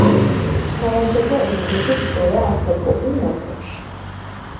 თამაშობდა ინგლისის ყველა ასაკობრივ ნაკრებში.